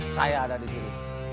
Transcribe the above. saya ada di sini